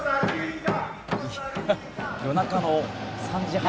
夜中の３時半。